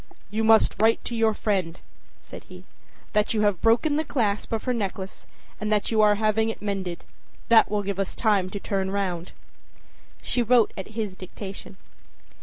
âYou must write to your friend,â said he, âthat you have broken the clasp of her necklace and that you are having it mended. That will give us time to turn round.â She wrote at his dictation.